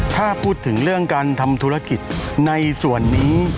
ถ้าพูดถึงเรื่องการทำธุรกิจในส่วนนี้